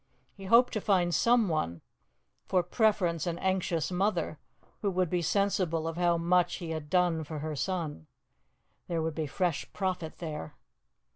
He hoped to find someone for preference an anxious mother, who would be sensible of how much he had done for her son. There would be fresh profit there.